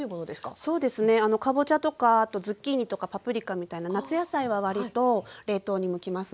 そうですねかぼちゃとかズッキーニとかパプリカみたいな夏野菜はわりと冷凍に向きますね。